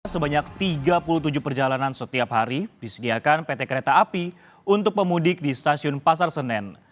sebanyak tiga puluh tujuh perjalanan setiap hari disediakan pt kereta api untuk pemudik di stasiun pasar senen